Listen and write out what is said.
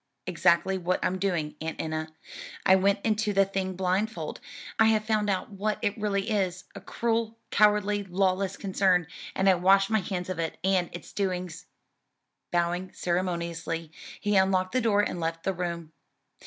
"Exactly what I'm doing, Aunt Enna. I went into the thing blindfold; I have found out what it really is a cruel, cowardly, lawless concern and I wash my hands of it and its doings." Bowing ceremoniously he unlocked the door, and left the room.